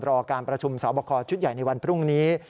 รอการประชุมสอบคอชุดใหญ่ในวันพรุ่งนี้